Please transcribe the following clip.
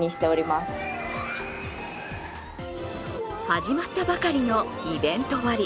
始まったばかりのイベント割。